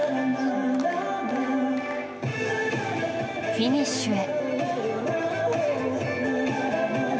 フィニッシュへ。